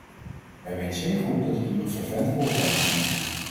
Hij weet zeer goed dat ik hier een fervent voorstander van ben.